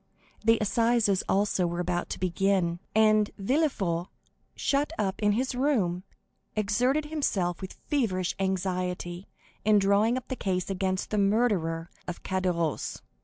The assizes, also, were about to begin, and Villefort, shut up in his room, exerted himself with feverish anxiety in drawing up the case against the murderer of Caderousse.